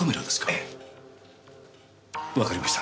ええ。わかりました。